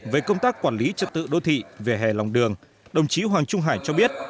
về công tác quản lý trật tự đô thị về hè lòng đường đồng chí hoàng trung hải cho biết